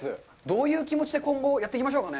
どういう気持ちで今後、やっていきましょうか。